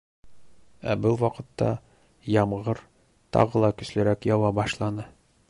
Ә был ваҡытта ямғыр тағы ла көслөрәк яуа башланы.